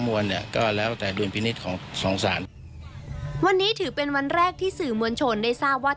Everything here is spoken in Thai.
วันนี้ถือเป็นวันแรกที่สื่อมวลโฉนได้ทราบว่า